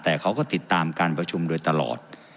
แต่เขาก็ติดตามการประชุมโดยตลอด